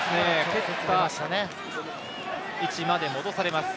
蹴った位置まで戻されます。